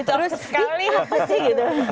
terus sekali apa sih gitu